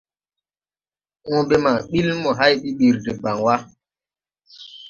Õõbe ma ɓil mo hay ɓiɓir debaŋ wà.